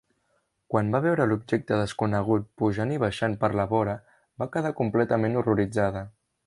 Quan va veure l'objecte desconegut pujant i baixant per la vora, va quedar completament horroritzada.